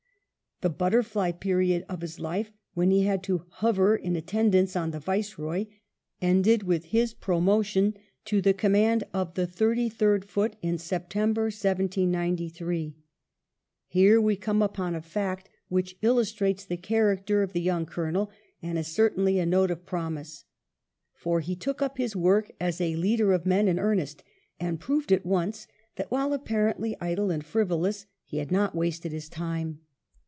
The butterfly period of his life, when he had to hover in attendance on the Viceroy, ended with his promotion to the command of the Thirty third Foot in September, 1793. Here we come upon a fact which illustrates the I COLONEL OF THE THIRTY THIRD FOOT 7 character of the young colonel, and is certainly a note of promise. For he took up his work as a leader of men in earnest^ and proved at once that, while apparently idle and frivolous, he had not wasted his time.